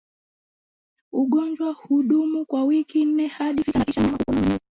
Ugonjwa hudumu kwa wiki nne hadi sita na kisha mnyama hupona mwenyewe